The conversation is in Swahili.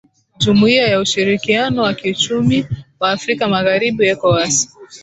jumuiya ya ushirikiano wa kiuchumi wa afrika magharibi ecowas